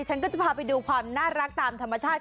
ฉันก็จะพาไปดูความน่ารักตามธรรมชาติ